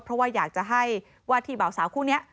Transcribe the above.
เพราะว่าอยากจะให้ว่าที่เบาสาวคู่นี้